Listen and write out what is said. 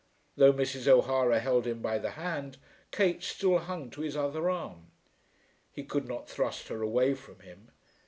Though Mrs. O'Hara held him by the hand, Kate still hung to his other arm. He could not thrust her away from him.